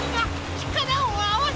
ちからをあわせて。